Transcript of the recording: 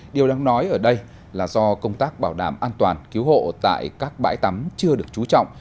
điều đáng nói ở đây là do công tác bảo đảm an toàn cứu hộ tại các bãi tắm chưa được trú trọng